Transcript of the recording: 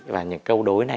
và những câu đối này